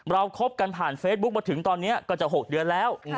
คบกันผ่านเฟซบุ๊คมาถึงตอนนี้ก็จะ๖เดือนแล้ว